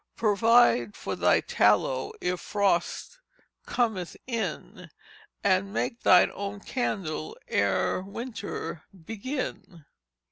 Provide for thy tallow ere frost cometh in, And make thine own candle ere winter begin."